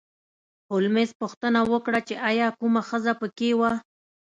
هولمز پوښتنه وکړه چې ایا کومه ښځه په کې وه